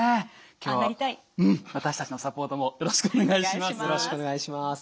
私たちのサポートもよろしくお願いします。